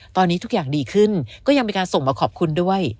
ตอนนี้ทุกอย่างดีขึ้นก็ยังมีการส่งมาขอบคุณด้วย